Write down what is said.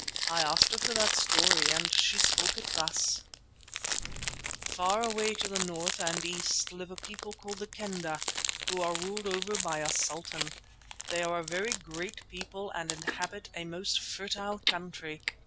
I asked her for that story, and she spoke it thus: "Far away to the north and east live a people called the Kendah, who are ruled over by a sultan. They are a very great people and inhabit a most fertile country.